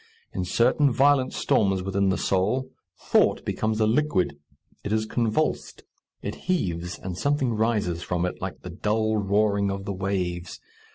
In certain violent storms within the soul thought becomes a liquid. It is convulsed, it heaves, and something rises from it, like the dull roaring of the waves.